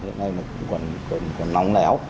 hiện nay nó cũng còn nóng lẻo